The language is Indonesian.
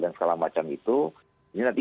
dan segala macam itu ini nanti